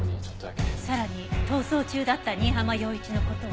さらに逃走中だった新浜陽一の事を。